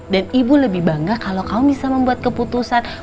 dan ibu lebih bangga kalau kamu bisa membuat keputusan